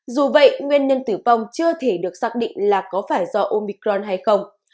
dù vậy nguyên nhân tử vong chưa thể được xác định là có phải do omicron hay không